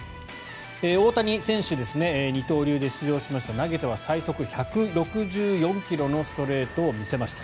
大谷選手、二刀流で出場しまして投げては最速１６４ｋｍのストレートを見せました。